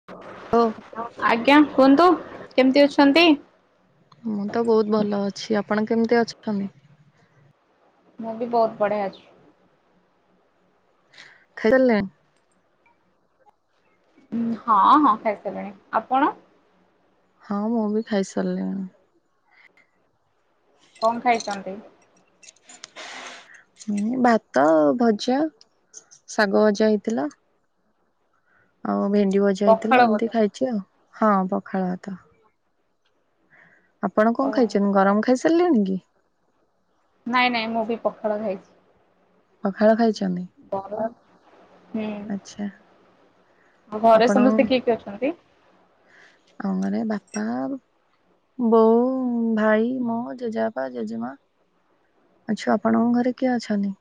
[inaudible] ଓ। ଆଜ୍ଞା କୁହନ୍ତୁ କେମିତି ଅଛନ୍ତି? ମୁଁ ତ ବହୁତ ଭଲ ଅଛି ଆପଣ କେମିତି ଅଛନ୍ତି? ମୁଁ ବି ବହୁତ ବଢ଼ିଆ ଅଛି। ଖାଇଦେଲେ। ହଁ ହଁ ଖାଇ ସାରିଲାଣି ଆପଣ? ହଁ ମୁଁ ବି ଖାଇସାରିଲିଣି। କଣ ଖାଇଛନ୍ତି? ହୁଁ ଭାତ ଭଜା ଶାଗ ଭଜା ହେଇଥିଲା। ଆଉ ଭେଣ୍ଡି ଭଜା ପଖାଳ ହେଇଥିଲା ଏମିତି ବୋଧେ ଖାଇଛି ଆଉ ହଁ ପଖାଳ ଭାତ ଆପଣ ଓ କଣ ଖାଇଛନ୍ତି ଗରମ ଖାଇସାରିଲେଣି କି? ନାଇଁ ନାଇଁ ମୁଁ ବି ପଖାଳ ଖାଇଛି। ପଖାଳ ଖାଇଛନ୍ତି? ଘର ହୁଁ ଆଚ୍ଛା ଆ ଘରେ ଆପଣ ସମସ୍ତେ କିଏ କି ଅଛନ୍ତି? ଘରେ ବାପା ବୋଉ ଭାଇ ମୁଁ ଜେଜେବାପା ଜେଜେମା। ଆଛା ଆପଣଙ୍କ ଘରେ କିଏ ଅଛନ୍ତି?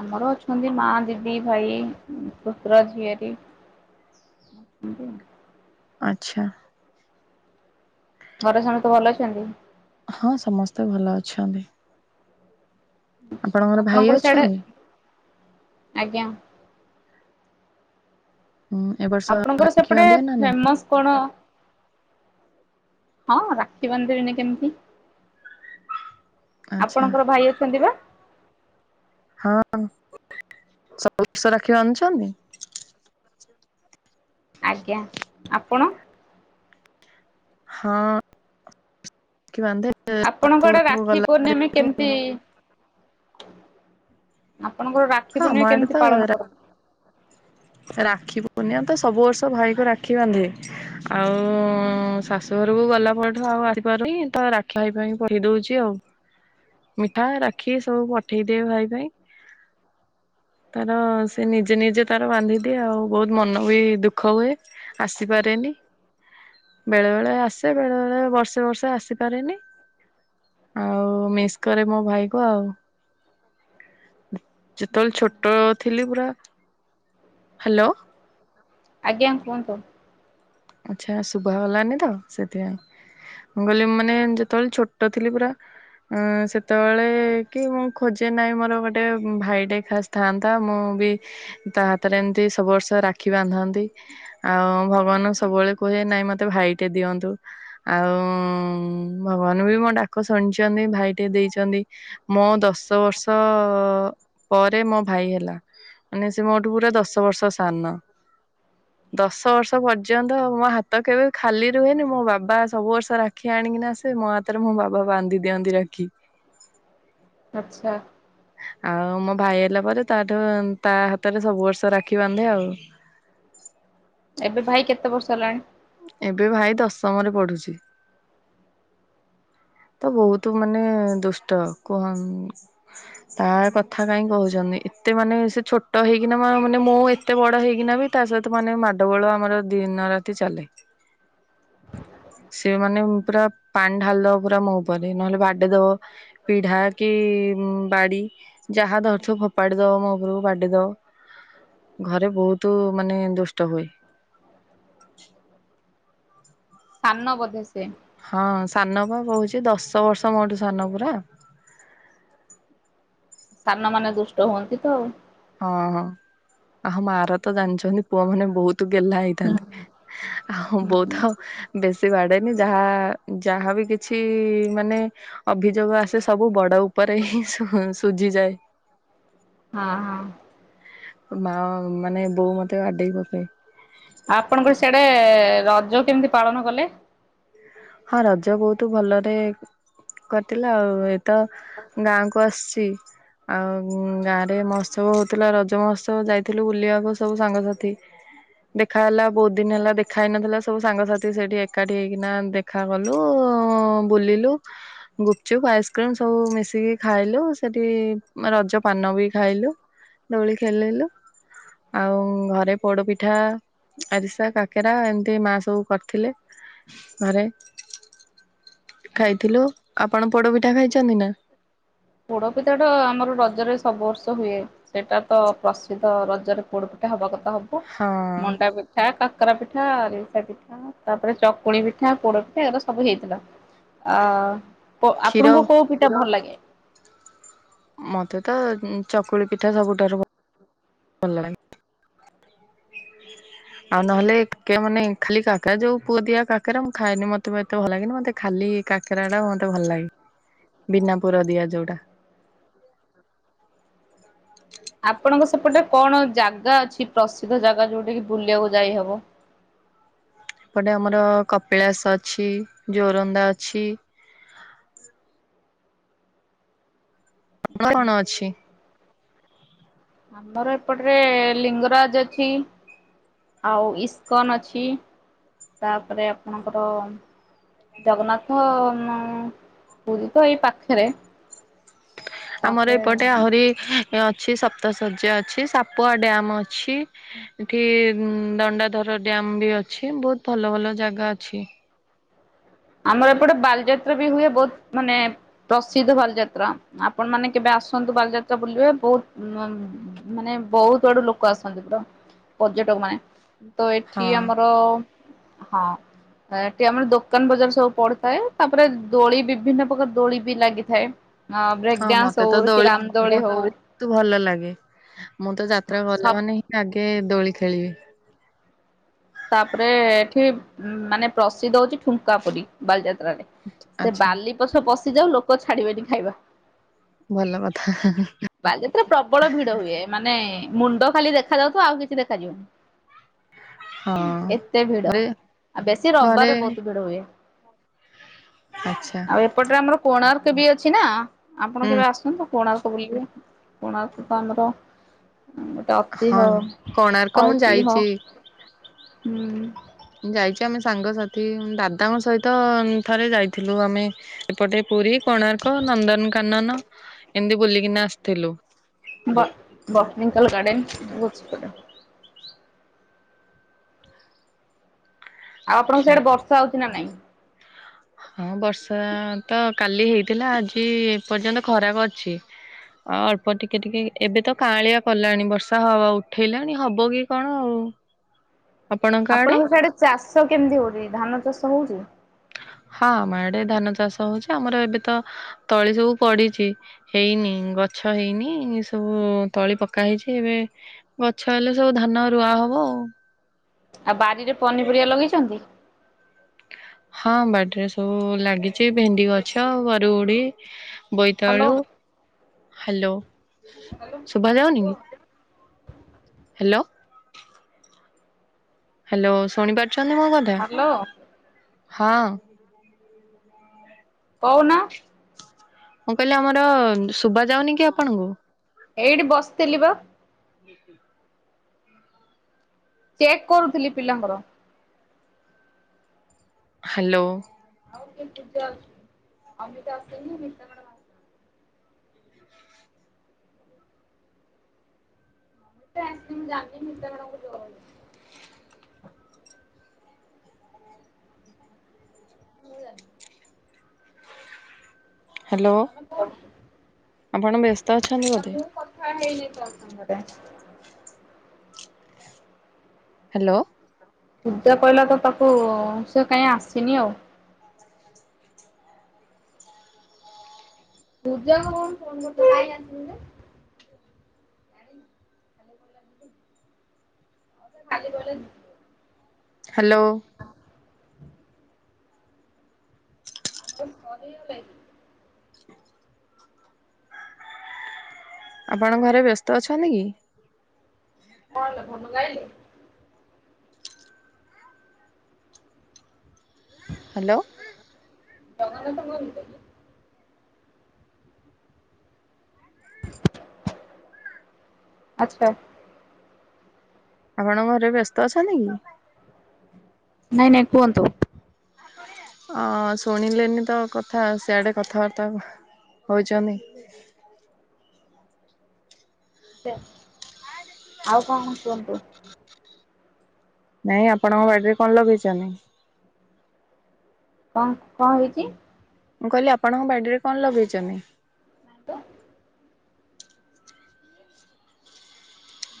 ଆମର ଅଛନ୍ତି ମା ଦିଦି ଭାଇ ପୁତୁରା ଝିଆରି। ଠ ଆଚ୍ଛା। ଘରେ ସମସ୍ତେ ଭଲ ଅଛନ୍ତି। ହଁ ସମସ୍ତେ ଭଲ ଅଛନ୍ତି। ଭାଇ ଆପଣଙ୍କର ସିଆଡେ ଅଛନ୍ତି? ଆଜ୍ଞା। ହୁଁ ଏପ ଆପଣଙ୍କର ସେପଟେ ଫେମସ କଣ? ହଁ ରାକ୍ଷୀ ବାନ୍ଧିବିନି କେମିତି ଆଚ୍ଛା ଆପଣଙ୍କର ଭାଇ ଅଛନ୍ତି ବା? ହଁ ସବୁ ବର୍ଷ ରାଖି ବାନ୍ଧୁଛନ୍ତି? ଆଜ୍ଞା ଆପଣ? ହଁ କି ବାନ୍ଧେ? ଆପଣଙ୍କ ଆଡେ ବାଟଘରକୁ ରାକ୍ଷୀ ଗଲା ପୂର୍ଣ୍ଣିମ ଦିନଠୁ କେମିତି? ଆପଣଙ୍କର ହଁ ରାକ୍ଷୀ ଆମ ପୂର୍ଣ୍ଣିମା ଆଡେ ତ କେମିତି ପାଳନ ରା କରନ୍ତି? ରାକ୍ଷୀ ପୂର୍ଣ୍ଣିମାତ ସବୁ ବର୍ଷ ଭାଇକୁ ରାକ୍ଷୀ ବାନ୍ଧେ ଆଉ ଶାଶୁଘରକୁ ଗଲାପରଠୁ ଆଉ ଆସିପାରୁନି ତରାକ୍ଷି ଭାଇ ପାଇଁ ପ ପଠେଇ ଦଉଚି ଆଉ ମିଠା ରାଖୀ ସବୁ ପଠେଇଦିଏ ଭାଇ ପାଇଁ ତାର ସେନିଜେ ନିଜେ ତା ବାନ୍ଧିଦିଏ ଆଉ ବହୁତ୍ ମନବି ଦୁଃଖ ହୁଏ ଆସିପାରେନି ବେଳେ ବେଳେ ଆସେ ବେଳେ ବେଳେ ବର୍ଷେ ବର୍ଷେ ଆସିପାରେନି ଆଉ ମିସ୍ କରେ ମୋ ଭାଇକୁ ଆଉ। ଯେତେବେଳେ ଛୋଟ ଥିଲି ପୁରା ହାଲୋ। ଆଜ୍ଞା କୁହନ୍ତୁ? ଆଚ୍ଛା ଶୁଭା ଗଲାନିତ ସେଥିପାଇଁ। ମୁକହିଲି ମାନେ ଯେତେବେଳେ ଛୋଟ ଥିଲି ପୁରା ଅ ସେତେବେଳେକି ମୁଁ ଖୋଜେ ନାହିଁ ମୋର ଗୋଟେ ଭାଇଟେ ଖାସ୍ ଥାଆନ୍ତା ମୁଁବି ତାହାତରେ ଏମିତି ସବୁ ବର୍ଷ ରାକ୍ଷୀ ବାନ୍ଧନ୍ତି। ଆଉ ଭଗବାନଙ୍କୁ ସବୁବେଳେ କୁହେ ନାଇଁ ମତେ ଭାଇଟେ ଦିଅନ୍ତୁ। ଆଉ ଭଗବାନବି ମୋଡାକ ଶୁଣିଚନ୍ତି ଭାଇଟେ ଦେଇଚନ୍ତି। ମଁ ଦଶ ବର୍ଷ ପରେ ମୋଭାଇ ହେଲା। ମାନେ ସେମୋଠୁ ପୁରା ଦଶ ବର୍ଷ ସାନ ଦଶ ବର୍ଷ ପର୍ ପର୍ଯ୍ୟନ୍ତ ମୋହାତ କେବେ ଖାଲି ରୁହେନି ମୋ ବାବା ସବୁ ବର୍ଷ ରାକ୍ଷୀ ଆଣିକିନା ସେମୋ ହାତ ତରେ ମବାବା ବା ଆନ୍ଧି ଦିଅନ୍ତି ରାଖୀ। ଆଚ୍ଛା। ଆଉ ମୋଭାଇ ହେଲା ପରେ ତାଠୁ ତାହାତରେ ସବୁ ବର୍ଷ ରାକ୍ଷୀ ବାନ୍ଧେ ଆଉ। ଏବେ ଭାଇ କେତେ ବର୍ଷ ହେଲାଣି? ଏବେ ଭାଇ ଦଶମରେ ପଢୁଛି। ତବହୁତ ମାନେ ଦୁଷ୍ଟ କୁହନ୍ ତାକଥା କାଇହିଁ କହୁଚନ୍ତି ଏତେ ମାନେ ସେଛୋଟ ହେଇକିନା ମାନେ ମୋଏ ଏତେ ବଡ଼ ହେଇକିନାବି ତାସହିତ ମାନେ ମାଡଗୋଳ ଆମର ଦିନ ରାତି ଚାଲେ। ସେମାନେ ପୁରା ପାଣି ଢାଲିଦବ ପୁରା ମୋଉପରେ ନହେଲେ ବାଡେଇଦବ ପିଢା କି ବାଡ଼ି ଯାହା ଧରିଥିବ ଫୋପାଡ଼ି ଦବ ମୋଉପରୁ ବାଡିଦବ ଘରେ ବହୁତ୍ ମାନେ ଦୁଷ୍ଟ ହୁଏ। ସାନ ବୋଧେ ସିଏ? ହଁ ସାନପା କହୁଚି ଦଶ ବର୍ଷ ମୋଠୁ ସାନ ପୁରା। ସାନ ମାନେ ଦୁଷ୍ଟ ହୁଅନ୍ତିତ ଆଉ। ହଁ ହଁ ଆଉ ମାରତ ଜାଣିଚନ୍ତି ପୁଅ ମାନେ ବହୁତ୍ ଗେହ୍ଲା ହୁଁ ହେଇଥାନ୍ତି। ଆ ହଁ ବୋଉତ ବେଶୀ ବାଡ଼େନି ଯାହା ଯାହାବି କିଛି ମାନେ ଅଭିଯୋଗ ଆସେ ସବୁ ବଡ଼ ଉପରେହିଁ ସୁ ସୁଜିଯାଏ। ହଁ ହଁ। ମା ମାନେ ବୋଉ ମତେ ବାଡେଇ ପକାଏ। ଆପଣଙ୍କର ସିଆଡ଼େ ରଜ କେମିତି ପାଳନ କଲେ? ହଁ ରଜ ବହୁତ୍ ଭଲରେ କଟିଲା ଆଉ ଏତ ଗାଁକୁ ଆସିଚି। ଆଉ ଗାଁରେ ମହୋତ୍ସବ ହଉଥିଲା ରଜ ମହୋତ୍ସବ ଯାଇଥିଲୁ ବୁଲିଆକୁ ସବୁ ସାଙ୍ଗସାଥି। ଦେଖା ହେଲା ବହୁତ୍ ଦିନି ହେଲା ଦେଖା ହେଇ ନଥିଲା ସବୁ ସାଙ୍ଗସାଥି ସେଇଠି ଏକାଠି ହେଇକିନା ଦେ ଦେଖା କଲୁ ବୁଲିଲୁ ଗୁପଚୁପ୍, ଆଇସ୍କ୍ରିମ୍ ସବୁ ମିଶିକି ଖାଇଲୁ ସେଠି ରଜ ପାନ ବି ଖାଇଲୁ। ଦୋଳି ଖେଳିଲୁ ଆଉ ଘରେ ପୋଡପିଠା ଆରିସା, କାକେରା ଏମିତି ମା ସବୁ କରିଥିଲେ ଘରେ। ଖାଇଥିଲୁ ଆପଣ ପୋଡପିଠା ଖାଇଚନ୍ତି ନା? ପୋଡପିଠା ତ ଆମର ରଜରେ ସବୁ ବର୍ଷ ହୁଏ। ସେଇଟା ତ ପ୍ରସିଦ୍ଧ ରଜରେ ପୋଡ଼ ପିଠା ହବା କଥା ହବ ହଁ ମଣ୍ଡା ପିଠା, କାକରା ପିଠା, ଆରିସା ପିଠା ତାପରେ ଚକୁଳି ପିଠା, ପୋଡ ପିଠା ଏରା ସବୁ ହେଇଥିଲା। ଅ- କ୍ଷୀର ଆପଣଙ୍କୁ କୋଉ ପିଠା ଭଲ ଲାଗେ? ମତେ ତ ଚକୁଳି ପିଠା ସବୁଠାରୁ ଭ ଭଲ ଲାଗେ। ଆଉ ନହେଲେ କେ ମାନେ ଖାଲି କାକେରା ଯଉ ପୁର ଦିଆ କାକେରା ମୁଁ ଖାଏନି ମତେ ଭା ମତେ ଭଲ ଲାଗେନି ମତେ ଖାଲି କାକେରା ଟା ମତେ ଭଲ ଲାଗେ ବିନା ପୁର ଦିଆ ଯଉଟା। ଆପଣଙ୍କ ସେପଟେ କଣ ଜାଗା ଅଛି ପ୍ରସିଦ୍ଧ ଜାଗା ଯଉଠି କିି ବୁଲିଆକୁ ଯାଇହବ? ଏପଟେ ଆମର କପିଳାସ ଅଛି, ଯୋରନ୍ଦା ଅଛି ତମର କଣ ଅଛି? ଆମର ଏପଟରେ ଲିଙ୍ଗରାଜ୍ ଅଛି। ଆଉ ଇସ୍କନ୍ ଅଛି ତାପରେ ଆପଣଙ୍କର ଜଗନ୍ନାଥ ମ ପୁରୀ ତ ଏଇ ପାଖେରେ। ଆମର ଏପଟେ ଆହୁରି ଅଛି ସପ୍ତଶଯ୍ୟା ଅଛି, ସାପୁଆ ଡ୍ୟାମ୍ ଅଛି। ଏଠି ଦଣ୍ଡାଧାର ଡ଼୍ୟାମ୍ ବି ଅଛି ବହୁତ୍ ଭଲ ଭଲ ଜାଗା ଅଛି। ଆମର ଏପଟେ ବାଲିଯାତ୍ରା ବି ହୁଏ ବହୁତ୍ ମାନେ ପ୍ରସିଦ୍ଧ ବାଲିଯାତ୍ରା ଆପଣ ମାନେ କେବେ ଆସନ୍ତୁ ବାଲିଯାତ୍ରା ବୁଲିବେ ବହୁତ୍ ଉମ୍ ମାନେ ବହୁତ୍ ଆଡୁ ଲୋକ ଆସନ୍ତି ତ ପର୍ଯ୍ୟଟକ ମାନେ। ତ ଏଠି ହଁ ଆମର ହଁ ଏଠି ଆମର ଦୋ ଦୋକାନ ବଜାର ସବୁ ପଡିଥାଏ ତାପରେ ଦୋଳି ବିଭିନ୍ନ ପ୍ରକାର ଦୋଳି ବି ଲାଗିଥାଏ। ହଁ ବ୍ରେକ୍ ଡ୍ୟାନ୍ସ ମତେ ତ ହଉ କି ରାମ୍ ଦୋଳି ଖେଳିବାକୁ ହଉ ଭଲ ଲାଗେ। ମୁଁ ତ ଯାତ୍ରା ଗଲା ସବ୍ ମାନେ ହିଁ ଆଗେ ଦୋଳି ଖେଳିବି। ତାପରେ ଏଠି ମାନେ ପ୍ରସିଦ୍ଧ ହଉଚି ଠୁଙ୍କା ପୁରୀ ବାଲିଯାତ୍ରାରେ। ସେ ଆଚ୍ଛା। ବାଲି ପଛେ ପଶି ଯାଉ ଲୋକ ଛାଡିବେନି ଖାଇବା। ଭଲ କଥା। ବାଲିଯାତ୍ରା ପ୍ରବଳ ଭିଡ ହୁଏ ମାନେ ମୁଣ୍ଡ ଖାଲି ଦେଖାଯାଉଥିବ ଆଉ କିଛି ଦେଖାଯିବନି। ହଁ ଏତେ ଭିଡ ଘରେ ଆଉ ବେଶୀ ଘରେ ରବିବାରେ ବହୁତ ଭିଡ ହୁଏ। ଆଚ୍ଛା। ଆଉ ଏପଟରେ ଆମର କୋଣାର୍କ ବି ଅଛି ନା ଆପଣ ହୁଁ କେବେ ଆସନ୍ତୁ। କୋଣାର୍କ ବୁଲିବେ କୋଣାର୍କ ଆମର ହଁ ଅତିହ- କୋଣାର୍କ ମୁଁ ଐତିହ। ଯାଇଛି। ହୁଁ। ଯାଇଚି ଆମେ ସାଙ୍ଗସାଥି ଦାଦାଙ୍କ ସହିତ ଥରେ ଯାଇଥିଲୁ ଆମେ। ଏପଟେ ପୁରୀ, କୋଣାର୍କ, ନନ୍ଦନକାନନ ଏମିତି ବୁଲିକିନା ଆସିଥିଲୁ। ବ- ବଟନିକାଲ୍ ଗାଡେନ୍। ଆଉ ଆପଣଙ୍କ ଆଚ୍ଛା ସିଆଡେ ବର୍ଷା ହଉଚି ନା ନାଇଁ? ହଁ ବର୍ଷା ତ କାଲି ହେଇଥିଲା ଆଜି ଏପର୍ଯ୍ୟନ୍ତ ଖରା ବ ଅଛି। ଆଉ ଅଳ୍ପ ଟିକେ ଟିକେ ଏବେ ତ କାଁଆଳିଆ କଲାଣି ବର୍ଷା ହବ- ଉଠେଇଲାଣି ହବ କି କଣ ଆଉ। ହଁ ଆପଣଙ୍କ ସିଆଡେ ଚାଷ କେମିତି ହଉଚି ଧାନ ଚାଷ ହଉଚି? ହଁ ଆମ ଆଡେ ଧାନ ଚାଷ ହଉଛି ଆମର ଏବେ ତ ତଳି ସବୁ ପଡିଛି। ହେଇନି ଗଛ ହେଇନି ସବୁ ତଳି ପକା ହେଇଛି ଏବେ। ଗଛ ହେଲେ ସବୁ ଧାନ ରୁଆ ହବ ଆଉ। ଆଉ ବାରିରେ ପନିପରିବା ଲଗେଇଛନ୍ତି। ହଁ ବାଡିରେ ସବୁ ଲାଗିଛି ଭେଣ୍ଡି ଗଛ ବରୁଉଡି। ହ୍ୟାଲୋ ବୋଇତାଳୁ ହାଲୋ। ହାଲୋ। ଶୁଭା ଯାଉନି କି ହାଲୋ। ହାଲୋ ଶୁଣି ପାରୁଛନ୍ତି ମୋ କ ହାଲୋ। ହଁ। ହଁ କ ଉନ। ମୁଁ କହିଲି ଆମର ଶୁଭା ଯାଉନି କି ଆପଣଙ୍କୁ। ଏଇଠି ବସିଥିଲି ବା। ହୁଁ ହୁ ଚେକ୍ କରୁଥିଲି ପିଲାଙ୍କର। ହାଲୋ। [unintelligible] ହ [unintelligible] [unintelligible] ହାଲୋ। ହଁ କୁହନ୍ତୁ। ଆପଣ ବ୍ୟସ୍ତ ଅଛନ୍ତି ବୋଧେ। [unintelligible] ହାଲୋ। ପୂଜା କହିଲା ତ ତାକୁ ସେ କାଇଁ ଆସିନି ଆଉ। [unintelligible] [unintelligible] ହାଲୋ। [unintelligible] ଆପଣ ଘରେ ବ୍ୟସ୍ତ ଅଛନ୍ତି କି। [unintelligible] ହାଲୋ। [unintelligible] ଆଚ୍ଛା। ଆପଣ ଘରେ ବ୍ୟସ୍ତ ଅଛନ୍ତି କି। ନାଇଁ ନାଇଁ କୁହନ୍ତୁ। ଅ ଶୁଣିଲେନି ତ କଥା ସିଆଡ଼େ କଥାବାର୍ତ୍ତା ହଉଛନ୍ତି। ସେ ଆଉ କଣ କୁହନ୍ତୁ। ନାଇଁ ଆପଣଙ୍କ ବାଡ଼ିରେ କଣ ଲଗେଇ ଚନି। କଁ କଁ ହେଇଛି। ମୁଁ କହିଲି ଆପଣଙ୍କ ବାଡ଼ିରେ କଣ ଲଗେଇଚନ୍ତି। [unintelligible]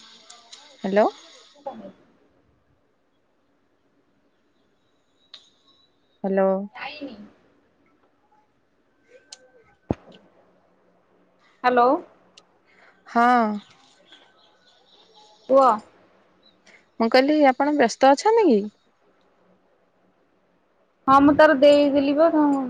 [unintelligible] ହାଲୋ। [inaudible] ହାଲୋ। ଖାଇନି। ହାଲୋ। ହଁ। କୁହ। ମୁଁ କହିଲି ଆପଣ ବ୍ୟସ୍ତ ଅଛନ୍ତି କି? ହଁ ମୁଁ ତାର ଦେଇଥିଲି ବା କଣ